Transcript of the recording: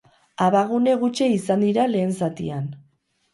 Abagune gutxi izan dira lehen zatian.